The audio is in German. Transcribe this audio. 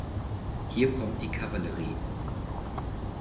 Hier kommt die Kavallerie.